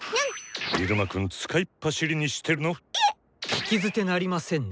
聞き捨てなりませんね。